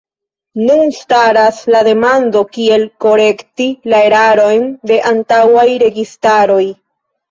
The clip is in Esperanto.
Nun staras la demando kiel korekti la erarojn de antaŭaj registaroj.